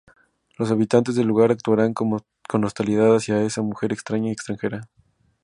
Los habitantes del lugar actuarán con hostilidad hacia esa mujer extraña y extranjera.